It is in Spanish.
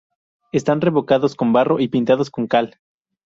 Están revocados con barro y pintados con cal.